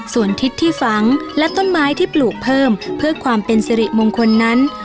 ส่วนทิศที่ฝังและต้นไม้ที่ปลูกเพิ่มเพื่อความเป็นสิริมงคลนั้น